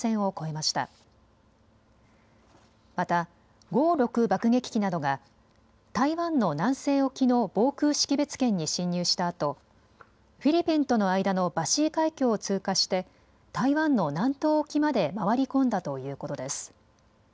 また轟６爆撃機などが台湾の南西沖の防空識別圏に進入したあと、フィリピンとの間のバシー海峡を通過して台湾の南東沖まで回り込んだということです。